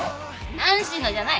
ナンシーのじゃない！